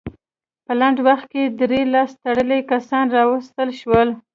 په لنډ وخت کې درې لاس تړلي کسان راوستل شول.